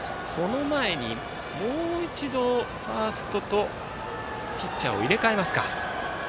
もう一度ファーストとピッチャーを入れ替えますか。